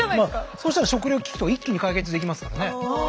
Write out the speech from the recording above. そしたら食糧危機とか一気に解決できますからね。